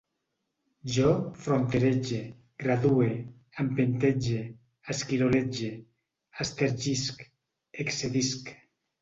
Jo fronterege, gradue, empentege, esquirolege, estergisc, excedisc